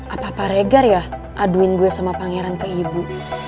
apa apa regar ya aduin gue sama pangeran ke ibu